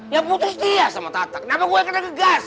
ya putus dia sama tatak kenapa gue kena gegas